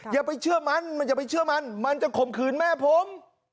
อย่าไปเชื่อมันมันจะขมขืนแม่ผม